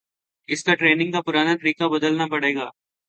اس کا ٹریننگ کا پرانا طریقہ بدلنا پڑے گا